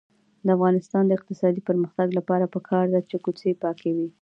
د افغانستان د اقتصادي پرمختګ لپاره پکار ده چې کوڅې پاکې وي.